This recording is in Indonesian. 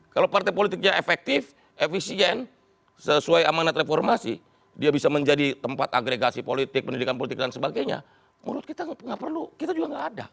kalau partai politiknya efektif efisien sesuai amanat reformasi dia bisa menjadi tempat agregasi politik pendidikan politik dan sebagainya menurut kita nggak perlu kita juga nggak ada